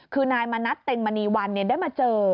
คือนายมณัฐเต็งมณีวันได้มาเจอ